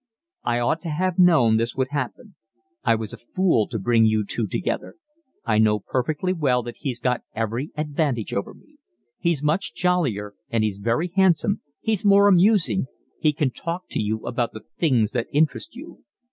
I ought to have known this would happen. I was a fool to bring you together. I know perfectly well that he's got every advantage over me; he's much jollier, and he's very handsome, he's more amusing, he can talk to you about the things that interest you."